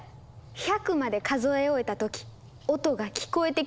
１００まで数え終えた時音が聞こえてきます。